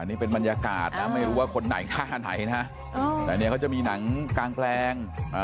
นี่เป็นบรรยากาศนะไม่รู้ว่าคนไหนท่าไหนนะแต่เนี่ยเขาจะมีหนังกางแปลง